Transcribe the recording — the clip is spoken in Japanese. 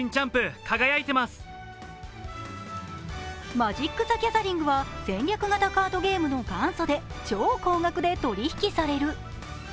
マジック：ザ・ギャザリングは戦略型カードゲームの元祖で超高額で取り引きされる。